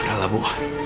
udah lah bu